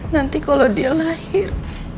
nanti kalau dia lahir